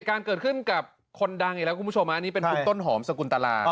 การเกิดขึ้นกับคนดังอีกแล้วคุณผู้ชมอันนี้เป็นคุณต้นหอมสกุลตลา